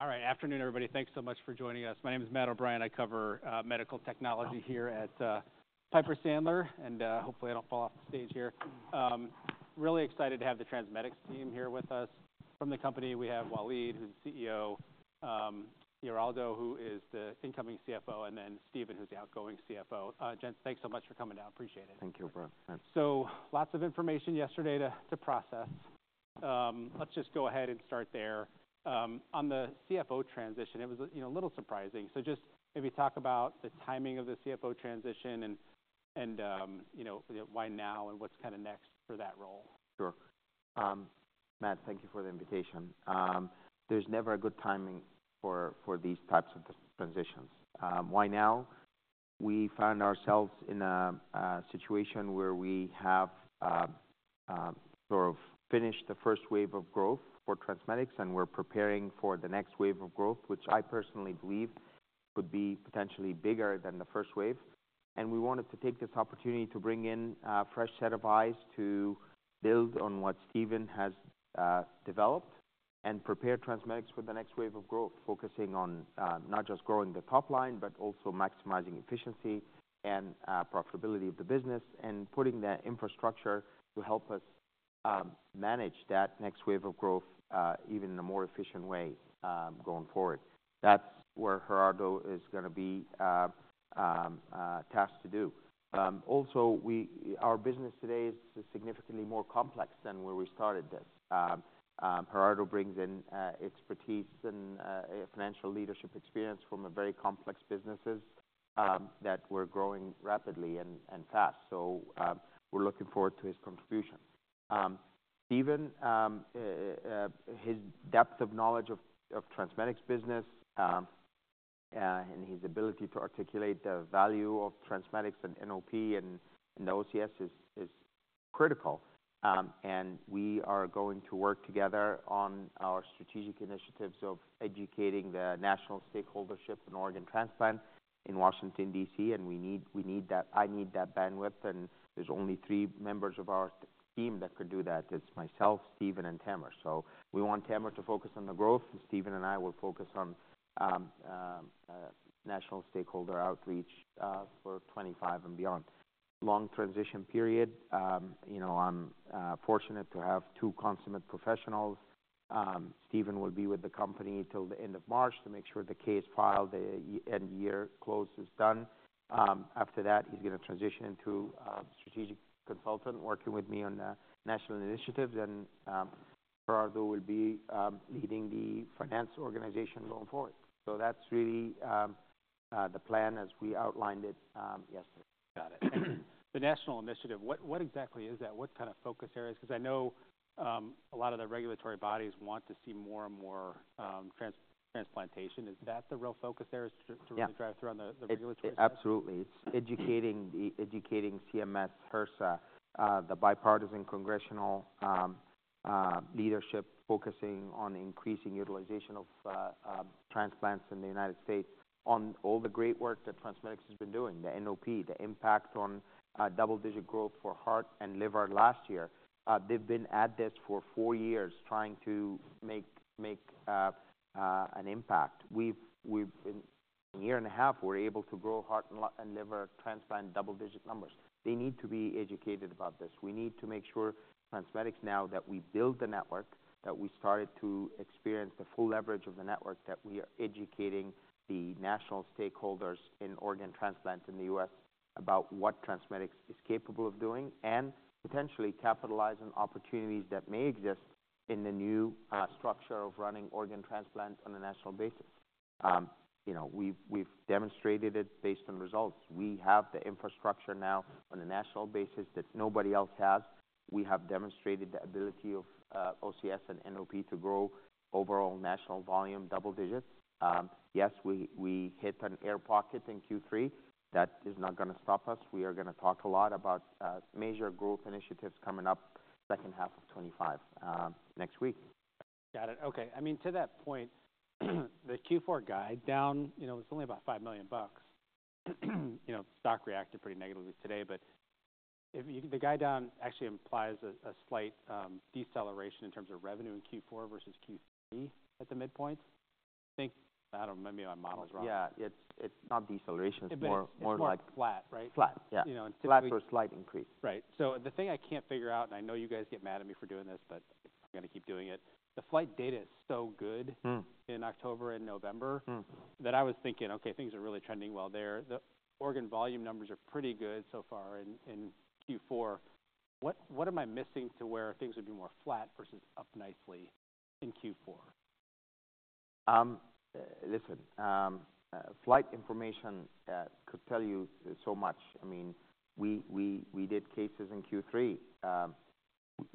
All right. Afternoon, everybody. Thanks so much for joining us. My name is Matt O'Brien. I cover medical technology here at Piper Sandler, and hopefully I don't fall off the stage here. Really excited to have the TransMedics team here with us. From the company, we have Waleed, who's the CEO. Gerardo, who is the incoming CFO. And then Stephen, who's the outgoing CFO. Gents, thanks so much for coming down. Appreciate it. Thank you, both. Thanks. So, lots of information yesterday to process. Let's just go ahead and start there. On the CFO transition, it was, you know, a little surprising. So just maybe talk about the timing of the CFO transition and, you know, why now and what's kinda next for that role. Sure. Matt, thank you for the invitation. There's never a good timing for these types of transitions. Why now? We found ourselves in a situation where we have sort of finished the first wave of growth for TransMedics, and we're preparing for the next wave of growth, which I personally believe could be potentially bigger than the first wave. And we wanted to take this opportunity to bring in a fresh set of eyes to build on what Stephen has developed and prepare TransMedics for the next wave of growth, focusing on not just growing the top line but also maximizing efficiency and profitability of the business and putting the infrastructure to help us manage that next wave of growth, even in a more efficient way, going forward. That's where Gerardo is gonna be tasked to do. Also, our business today is significantly more complex than where we started this. Gerardo brings in expertise and financial leadership experience from very complex businesses that we're growing rapidly and fast. So, we're looking forward to his contribution. Stephen, his depth of knowledge of TransMedics business and his ability to articulate the value of TransMedics and NOP and the OCS is critical. We are going to work together on our strategic initiatives of educating the national stakeholders in organ transplant in Washington, DC, and we need that. I need that bandwidth, and there's only three members of our team that could do that. It's myself, Stephen, and Tamer. So we want Tamer to focus on the growth, and Stephen and I will focus on national stakeholder outreach for 2025 and beyond. Long transition period. You know, I'm fortunate to have two consummate professionals. Stephen will be with the company till the end of March to make sure the Q4 filed, the year-end close, is done. After that, he's gonna transition into strategic consultant, working with me on national initiatives, and Gerardo will be leading the finance organization going forward. So that's really the plan as we outlined it yesterday. Got it. The national initiative, what, what exactly is that? What kinda focus areas? 'Cause I know a lot of the regulatory bodies want to see more and more transplantation. Is that the real focus there is to, to really drive through on the, the regulatory side? Yes, absolutely. It's educating CMS, HRSA, the bipartisan congressional leadership focusing on increasing utilization of transplants in the United States on all the great work that TransMedics has been doing, the NOP, the impact on double-digit growth for heart and liver last year. They've been at this for four years trying to make an impact. We've been a year and a half, we're able to grow heart and liver transplant double-digit numbers. They need to be educated about this. We need to make sure TransMedics now that we build the network, that we started to experience the full leverage of the network, that we are educating the national stakeholders in organ transplant in the U.S. about what TransMedics is capable of doing and potentially capitalize on opportunities that may exist in the new structure of running organ transplant on a national basis. You know, we've demonstrated it based on results. We have the infrastructure now on a national basis that nobody else has. We have demonstrated the ability of OCS and NOP to grow overall national volume double digits. Yes, we hit an air pocket in Q3. That is not gonna stop us. We are gonna talk a lot about major growth initiatives coming up second half of 2025, next week. Got it. Okay. I mean, to that point, the Q4 guide down, you know, it's only about $5 million. You know, stock reacted pretty negatively today, but if you the guide down actually implies a slight deceleration in terms of revenue in Q4 versus Q3 at the midpoint. I think I don't remember. My model's wrong. Yeah. It's not deceleration. It's more like. It's more flat, right? Flat. Yeah. You know, and typically. Flat or slight increase. Right. So the thing I can't figure out, and I know you guys get mad at me for doing this, but I'm gonna keep doing it. The flight data is so good in October and November that I was thinking, okay, things are really trending well there. The organ volume numbers are pretty good so far in Q4. What am I missing to where things would be more flat versus up nicely in Q4? Listen, flight information could tell you so much. I mean, we did cases in Q3,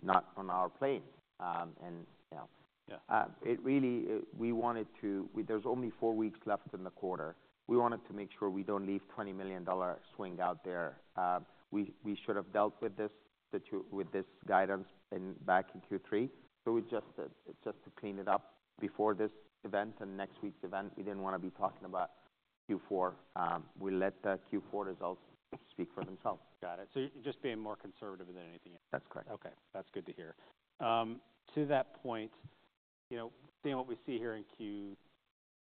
not on our plane, and you know. Yeah. It really. We wanted to. There's only four weeks left in the quarter. We wanted to make sure we don't leave $20 million swing out there. We should have dealt with this with this guidance back in Q3. So we just to clean it up before this event and next week's event. We didn't wanna be talking about Q4. We let the Q4 results speak for themselves. Got it. So you're just being more conservative than anything else. That's correct. Okay. That's good to hear. To that point, you know, being what we see here in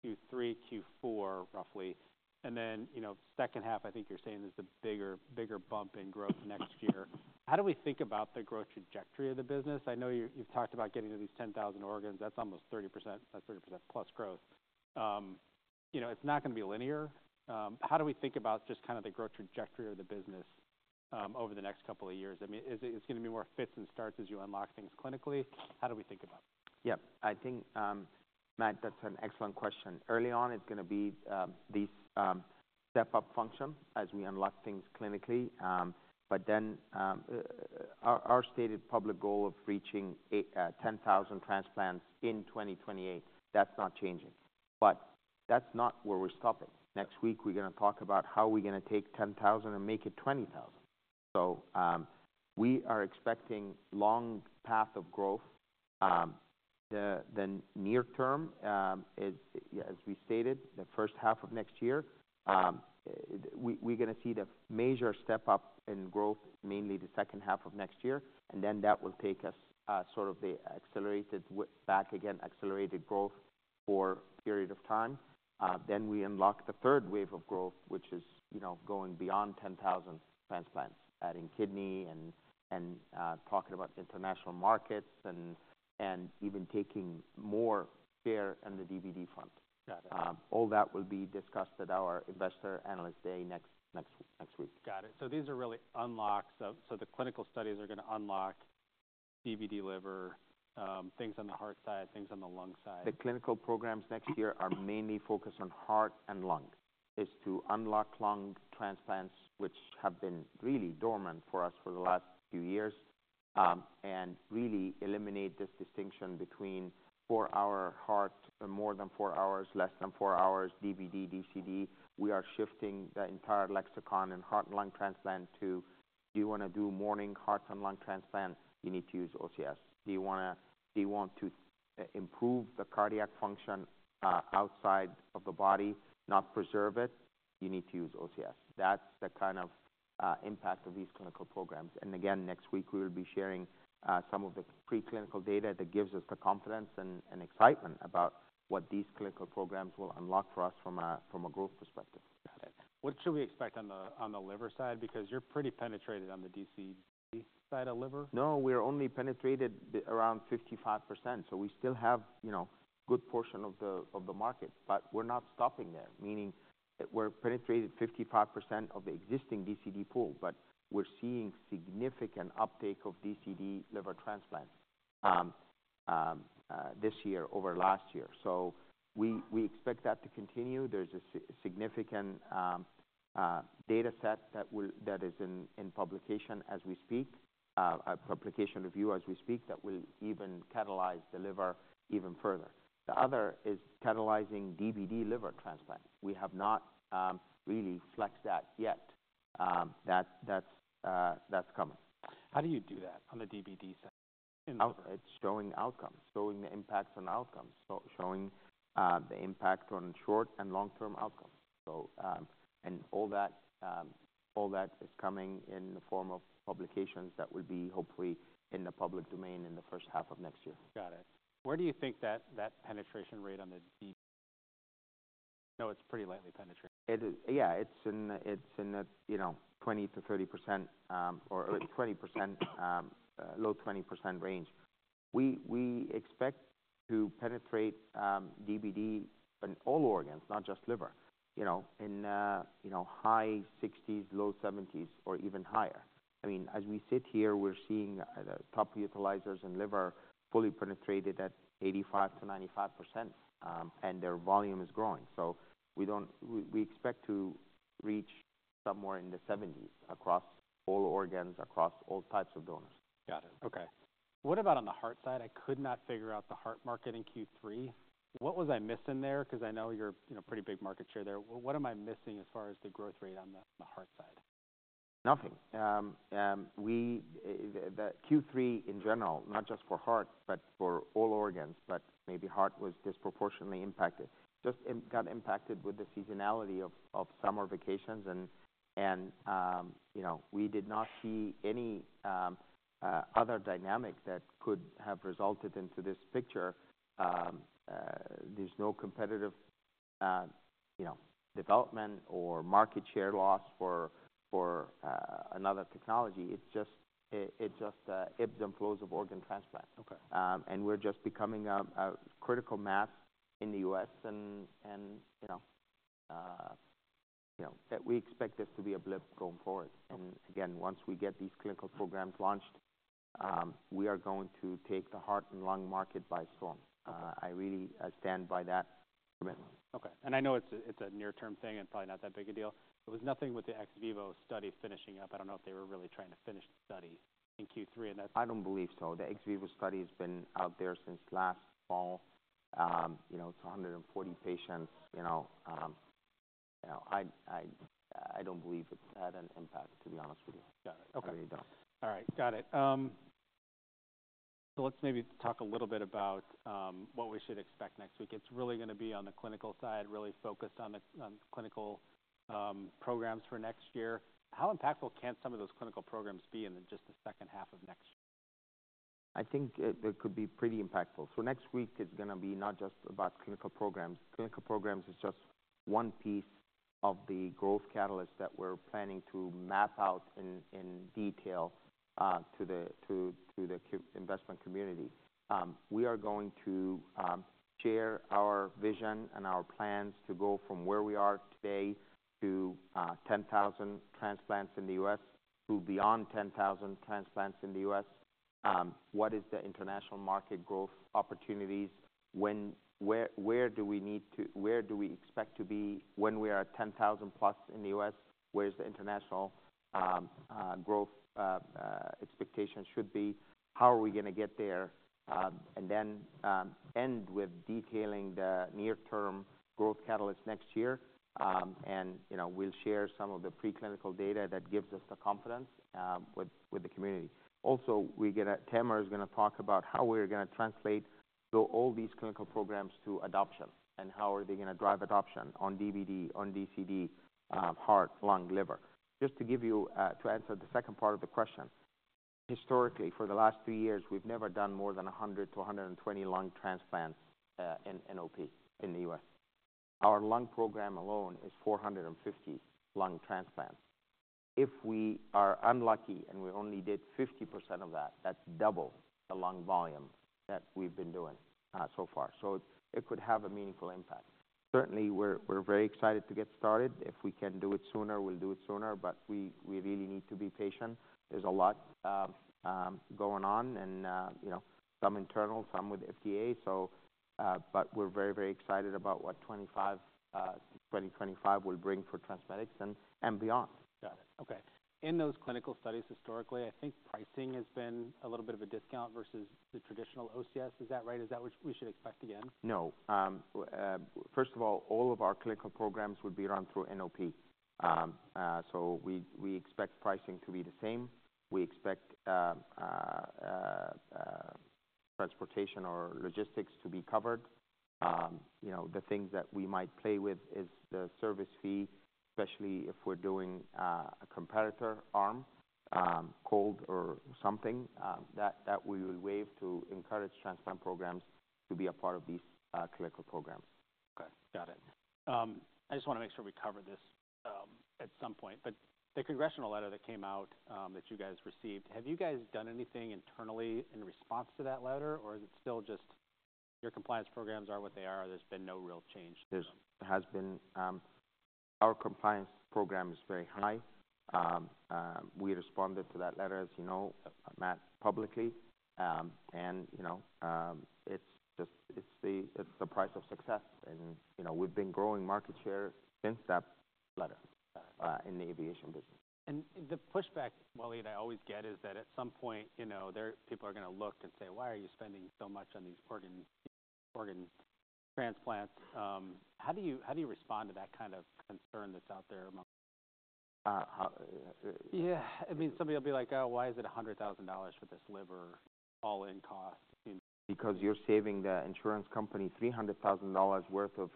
Q3, Q4 roughly, and then, you know, second half, I think you're saying is the bigger bump in growth next year. How do we think about the growth trajectory of the business? I know you've talked about getting to these 10,000 organs. That's almost 30%. That's 30%+ growth. You know, it's not gonna be linear. How do we think about just kinda the growth trajectory of the business, over the next couple of years? I mean, is it gonna be more fits and starts as you unlock things clinically? How do we think about it? Yep. I think, Matt, that's an excellent question. Early on, it's gonna be these step-up function as we unlock things clinically, but then our stated public goal of reaching 10,000 transplants in 2028, that's not changing, but that's not where we're stopping. Next week, we're gonna talk about how we're gonna take 10,000 and make it 20,000, so we are expecting long path of growth. The near term is, yeah, as we stated, the first half of next year. We're gonna see the major step-up in growth mainly the second half of next year, and then that will take us sort of the accelerated way back again, accelerated growth for a period of time. Then we unlock the third wave of growth, which is, you know, going beyond 10,000 transplants, adding kidney and talking about international markets and even taking more care on the DBD front. Got it. All that will be discussed at our investor analyst day next week. Got it. So these are really unlocks. So, so the clinical studies are gonna unlock DBD liver, things on the heart side, things on the lung side. The clinical programs next year are mainly focused on heart and lung. It's to unlock lung transplants, which have been really dormant for us for the last few years, and really eliminate this distinction between four-hour heart, more than four hours, less than four hours, DBD, DCD. We are shifting the entire lexicon in heart and lung transplant to, do you wanna do morning heart and lung transplant, you need to use OCS. Do you wanna improve the cardiac function, outside of the body, not preserve it, you need to use OCS. That's the kind of impact of these clinical programs. Again, next week, we'll be sharing some of the pre-clinical data that gives us the confidence and excitement about what these clinical programs will unlock for us from a growth perspective. Got it. What should we expect on the liver side? Because you're pretty penetrated on the DCD side of liver. No, we're only penetrated around 55%. So we still have, you know, a good portion of the market, but we're not stopping there. Meaning, we're penetrated 55% of the existing DCD pool, but we're seeing significant uptake of DCD liver transplant, this year over last year. So we expect that to continue. There's a significant dataset that is in publication review as we speak that will even catalyze the liver even further. The other is catalyzing DBD liver transplant. We have not really flexed that yet. That's coming. How do you do that on the DBD side in the liver? It's showing outcomes, showing the impacts on outcomes, showing the impact on short and long-term outcomes, and all that is coming in the form of publications that will be hopefully in the public domain in the first half of next year. Got it. Where do you think that, that penetration rate on the DBD? I know it's pretty lightly penetrating. It's in the, you know, 20%-30%, or 20%, low 20% range. We expect to penetrate DBD in all organs, not just liver, you know, high 60s%, low 70s%, or even higher. I mean, as we sit here, we're seeing the top utilizers in liver fully penetrated at 85%-95%, and their volume is growing. So we expect to reach somewhere in the 70s% across all organs, across all types of donors. Got it. Okay. What about on the heart side? I could not figure out the heart market in Q3. What was I missing there? 'Cause I know you're, you know, pretty big market share there. Wh-what am I missing as far as the growth rate on the heart side? Nothing. We, the Q3 in general, not just for heart but for all organs, but maybe heart was disproportionately impacted. Just we got impacted with the seasonality of summer vacations and, you know, we did not see any other dynamic that could have resulted into this picture. There's no competitive, you know, development or market share loss for another technology. It's just ebbs and flows of organ transplant. Okay. And we're just becoming a critical mass in the U.S. and, you know, that we expect this to be a blip going forward. And again, once we get these clinical programs launched, we are going to take the heart and lung market by storm. I really stand by that commitment. Okay. And I know it's a near-term thing and probably not that big a deal. It was nothing with the ex vivo study finishing up. I don't know if they were really trying to finish the study in Q3, and that's. I don't believe so. The ex vivo study has been out there since last fall, you know. It's 140 patients, you know. I don't believe it's had an impact, to be honest with you. Got it. Okay. I really don't. All right. Got it. So let's maybe talk a little bit about what we should expect next week. It's really gonna be on the clinical side, really focused on the clinical programs for next year. How impactful can some of those clinical programs be in just the second half of next year? I think they could be pretty impactful. Next week is gonna be not just about clinical programs. Clinical programs is just one piece of the growth catalyst that we're planning to map out in detail to the investment community. We are going to share our vision and our plans to go from where we are today to 10,000 transplants in the U.S. to beyond 10,000 transplants in the U.S.. What is the international market growth opportunities? Where do we expect to be when we are at 10,000+ in the U.S.? Where's the international growth expectation should be? How are we gonna get there and then end with detailing the near-term growth catalyst next year, and you know, we'll share some of the pre-clinical data that gives us the confidence with the community. Also, we're gonna. Tamer is gonna talk about how we're gonna translate those all these clinical programs to adoption and how are they gonna drive adoption on DBD, on DCD, heart, lung, liver. Just to give you, to answer the second part of the question, historically, for the last two years, we've never done more than 100-120 lung transplants in NOP in the U.S.. Our lung program alone is 450 lung transplants. If we are unlucky and we only did 50% of that, that's double the lung volume that we've been doing so far. So it could have a meaningful impact. Certainly, we're very excited to get started. If we can do it sooner, we'll do it sooner, but we really need to be patient. There's a lot going on and, you know, some internal, some with FDA. We're very, very excited about what 25, 2025 will bring for TransMedics and beyond. Got it. Okay. In those clinical studies historically, I think pricing has been a little bit of a discount versus the traditional OCS. Is that right? Is that what we should expect again? No, first of all, all of our clinical programs would be run through NOP. So we expect pricing to be the same. We expect transportation or logistics to be covered. You know, the things that we might play with is the service fee, especially if we're doing a competitor arm, cold or something, that we will waive to encourage transplant programs to be a part of these clinical programs. Okay. Got it. I just wanna make sure we cover this, at some point, but the congressional letter that came out that you guys received, have you guys done anything internally in response to that letter, or is it still just your compliance programs are what they are? There's been no real change? There has been, our compliance program is very high. We responded to that letter, as you know, Matt, publicly. And, you know, it's just the price of success. And, you know, we've been growing market share since that letter, in the aviation business. The pushback, Waleed, I always get is that at some point, you know, the people are gonna look and say, "Why are you spending so much on these organ transplants?" How do you respond to that kind of concern that's out there among? How, yeah. I mean, somebody will be like, "Oh, why is it $100,000 for this liver all-in cost?" Because you're saving the insurance company $300,000 worth of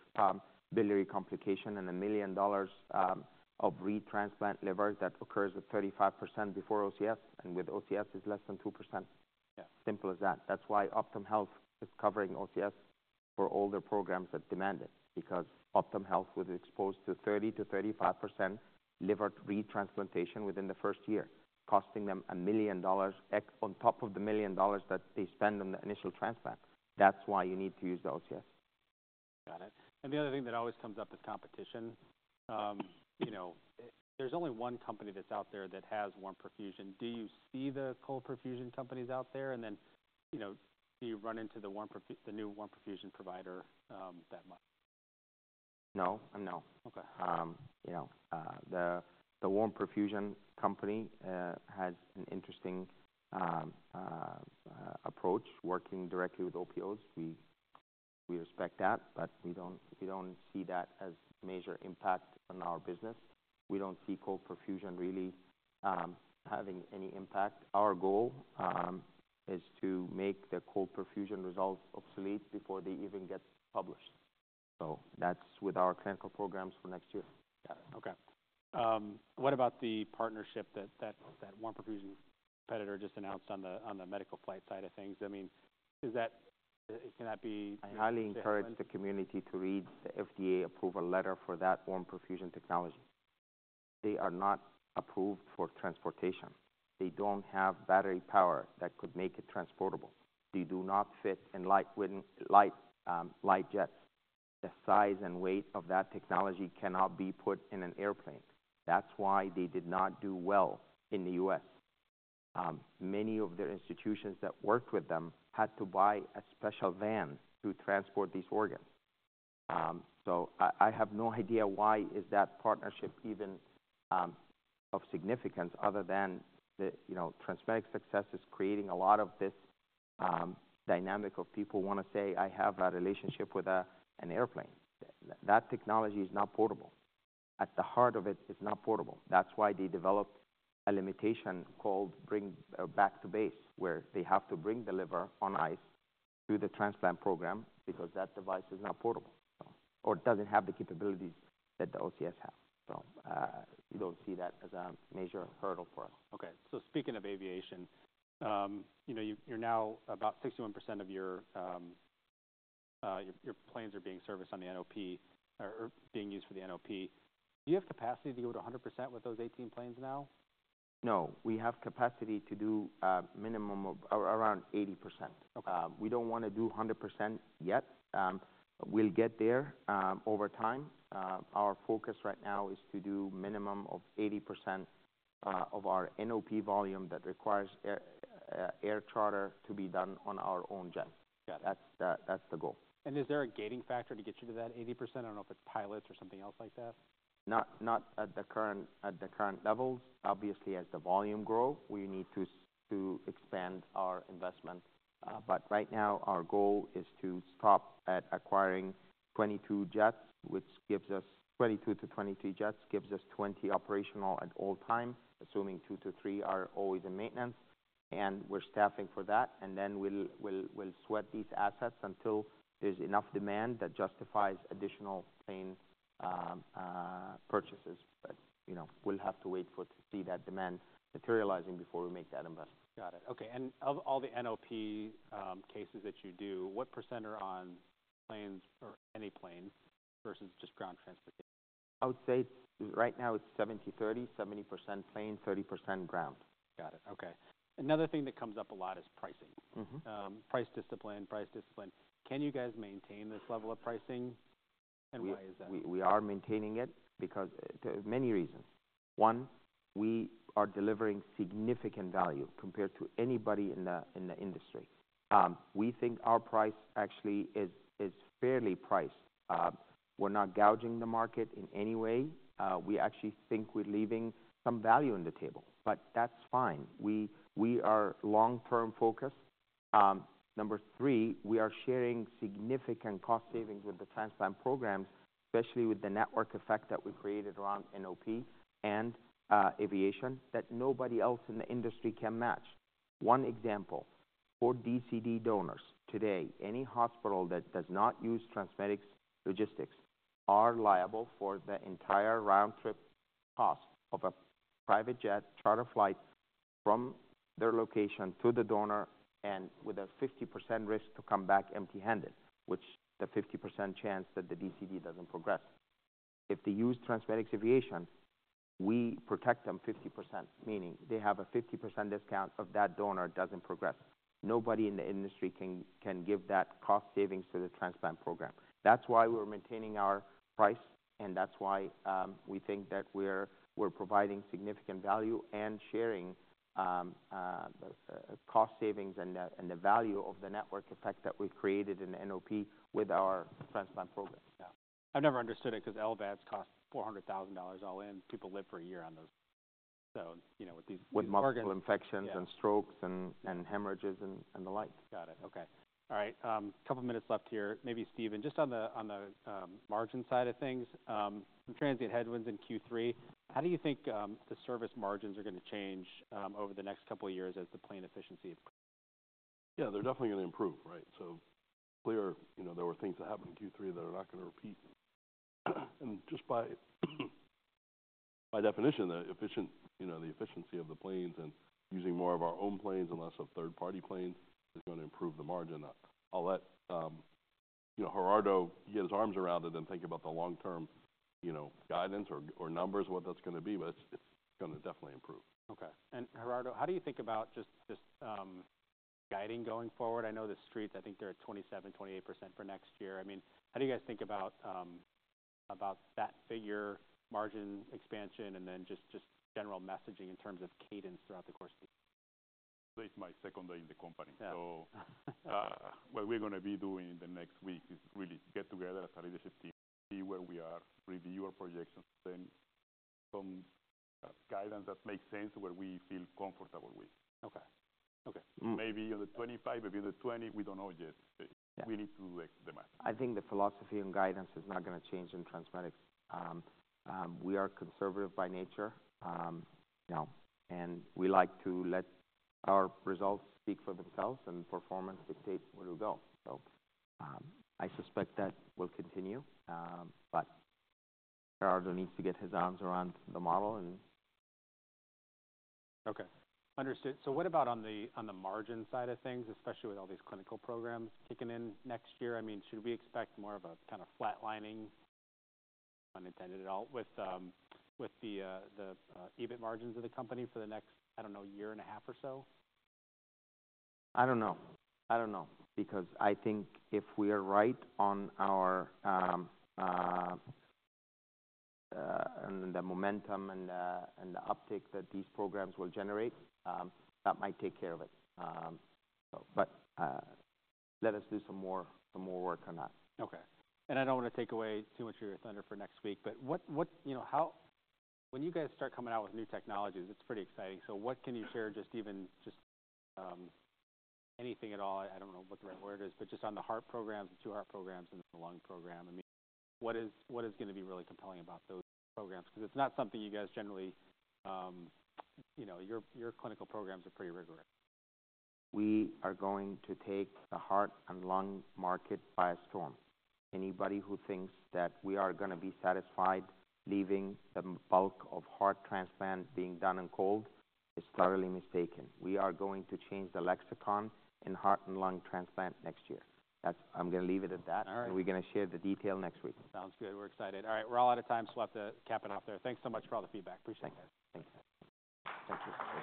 biliary complication and $1 million of retransplant liver that occurs at 35% before OCS, and with OCS, it's less than 2%. Yeah. Simple as that. That's why Optum Health is covering OCS for all their programs that demand it because Optum Health was exposed to 30%-35% liver retransplantation within the first year, costing them $1 million extra on top of the $1 million that they spend on the initial transplant. That's why you need to use the OCS. Got it. And the other thing that always comes up is competition. You know, there's only one company that's out there that has warm perfusion. Do you see the cold perfusion companies out there? And then, you know, do you run into the new warm perfusion provider, that might? No. No. Okay. You know, the warm perfusion company has an interesting approach, working directly with OPOs. We respect that, but we don't see that as major impact on our business. We don't see cold perfusion really having any impact. Our goal is to make the cold perfusion results obsolete before they even get published. So that's with our clinical programs for next year. Got it. Okay. What about the partnership that Warm Perfusion competitor just announced on the medical flight side of things? I mean, is that, can that be? I highly encourage the community to read the FDA approval letter for that warm perfusion technology. They are not approved for transportation. They don't have battery power that could make it transportable. They do not fit in light-wind light, light jets. The size and weight of that technology cannot be put in an airplane. That's why they did not do well in the U.S.. Many of the institutions that worked with them had to buy a special van to transport these organs. So I, I have no idea why is that partnership even of significance other than the, you know, TransMedics success is creating a lot of this dynamic of people wanna say, "I have a relationship with a-an airplane." That technology is not portable. At the heart of it, it's not portable. That's why they developed a limitation called back to base, where they have to bring the liver on ice through the transplant program because that device is not portable, or it doesn't have the capabilities that the OCS has. So, we don't see that as a major hurdle for us. Okay. So speaking of aviation, you know, you're now about 61% of your planes are being serviced on the NOP or being used for the NOP. Do you have capacity to go to 100% with those 18 planes now? No. We have capacity to do minimum of around 80%. Okay. We don't wanna do 100% yet. We'll get there, over time. Our focus right now is to do minimum of 80% of our NOP volume that requires air charter to be done on our own jet. Got it. That's the goal. Is there a gating factor to get you to that 80%? I don't know if it's pilots or something else like that. Not at the current levels. Obviously, as the volume grow, we need to expand our investment. But right now, our goal is to stop at acquiring 22 jets, which gives us 22 jets-23 jets gives us 20 operational at all times, assuming two to three are always in maintenance. And we're staffing for that. And then we'll sweat these assets until there's enough demand that justifies additional plane purchases. You know, we'll have to wait to see that demand materializing before we make that investment. Got it. Okay. And of all the NOP cases that you do, what % are on planes or any plane versus just ground transportation? I would say right now, it's 70/30, 70% plane, 30% ground. Got it. Okay. Another thing that comes up a lot is pricing. Mm-hmm. Price discipline, price discipline. Can you guys maintain this level of pricing, and why is that? We are maintaining it because for many reasons. One, we are delivering significant value compared to anybody in the industry. We think our price actually is fairly priced. We're not gouging the market in any way. We actually think we're leaving some value on the table, but that's fine. We are long-term focused. Number three, we are sharing significant cost savings with the transplant programs, especially with the network effect that we created around NOP and aviation that nobody else in the industry can match. One example, for DCD donors today, any hospital that does not use TransMedics logistics are liable for the entire round-trip cost of a private jet charter flight from their location to the donor and with a 50% risk to come back empty-handed, which the 50% chance that the DCD doesn't progress. If they use TransMedics Aviation, we protect them 50%, meaning they have a 50% discount if that donor doesn't progress. Nobody in the industry can give that cost savings to the transplant program. That's why we're maintaining our price, and that's why we think that we're providing significant value and sharing cost savings and the value of the network effect that we created in NOP with our transplant program. Yeah. I've never understood it 'cause LVADs cost $400,000 all in. People live for a year on those. So, you know, with these. With multiple infections and strokes and hemorrhages and the like. Got it. Okay. All right. Couple minutes left here. Maybe Stephen, just on the margin side of things, from transient headwinds in Q3, how do you think the service margins are gonna change over the next couple of years as the plane efficiency improves? Yeah. They're definitely gonna improve, right? So clear, you know, there were things that happened in Q3 that are not gonna repeat. And just by, by definition, you know, the efficiency of the planes and using more of our own planes and less of third-party planes is gonna improve the margin. I'll let, you know, Gerardo get his arms around it and think about the long-term, you know, guidance or, or numbers, what that's gonna be, but it's, it's gonna definitely improve. Okay. And Gerardo, how do you think about just guiding going forward? I know the streets, I think they're at 27%-28% for next year. I mean, how do you guys think about that figure, margin expansion, and then just general messaging in terms of cadence throughout the course of the year? It's my second day in the company. Yeah. So, what we're gonna be doing in the next week is really get together as a leadership team, see where we are, review our projections, then some guidance that makes sense where we feel comfortable with. Okay. Okay. Mm-hmm. Maybe on the 25, maybe on the 20, we don't know yet. Yeah. We need to do the math. I think the philosophy and guidance is not gonna change in TransMedics. We are conservative by nature, you know, and we like to let our results speak for themselves, and performance dictates where we go, so I suspect that will continue, but Gerardo needs to get his arms around the model and. Okay. Understood. So what about on the margin side of things, especially with all these clinical programs kicking in next year? I mean, should we expect more of a kind of flatlining, pun intended at all, with the EBIT margins of the company for the next, I don't know, year and a half or so? I don't know. I don't know. Because I think if we are right on our and the momentum and the uptake that these programs will generate, that might take care of it. So but, let us do some more work on that. Okay. And I don't wanna take away too much of your thunder for next week, but what, you know, how when you guys start coming out with new technologies, it's pretty exciting. So what can you share just even just, anything at all? I don't know what the right word is, but just on the heart programs, the two heart programs, and the lung program. I mean, what is gonna be really compelling about those programs? 'Cause it's not something you guys generally, you know, your clinical programs are pretty rigorous. We are going to take the heart and lung market by a storm. Anybody who thinks that we are gonna be satisfied leaving the bulk of heart transplant being done in cold is thoroughly mistaken. We are going to change the lexicon in heart and lung transplant next year. That's it. I'm gonna leave it at that. All right. We're gonna share the detail next week. Sounds good. We're excited. All right. We're all out of time, so we'll have to cap it off there. Thanks so much for all the feedback. Appreciate it. Thanks. Thank you.